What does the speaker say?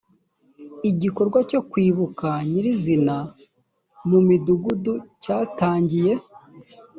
igikorwa cyo kwibuka nyirizina mu midugudu cyatangiye.